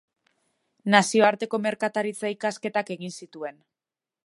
Nazioarteko merkataritza ikasketak egin zituen.